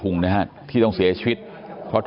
ลูกชายวัย๑๘ขวบบวชหน้าไฟให้กับพุ่งชนจนเสียชีวิตแล้วนะครับ